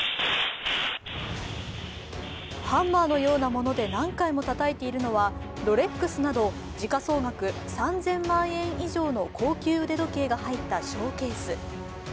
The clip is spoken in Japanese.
ハンマーのようなもので何回もたたいているのは、ロレックスなど時価総額３０００万円以上の高級腕時計が入ったショーケース。